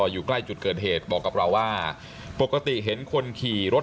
อยู่ใกล้จุดเกิดเหตุบอกกับเราว่าปกติเห็นคนขี่รถ